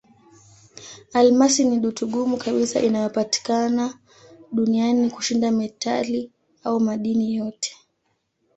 Almasi ni dutu ngumu kabisa inayopatikana duniani kushinda metali au madini yote.